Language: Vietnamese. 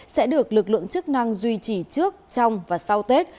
sẽ được lực lượng chức năng duy trì trước trong và sau tết